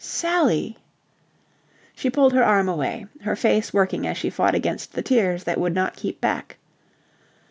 "Sally..." She pulled her arm away, her face working as she fought against the tears that would not keep back.